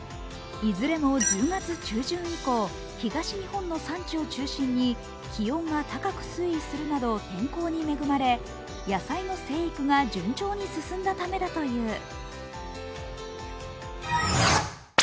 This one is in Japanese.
いずれも１０月中旬以降、東日本の産地を中心に気温が高く推移するなど天候に恵まれ野菜の生育が順調に進んだためだという。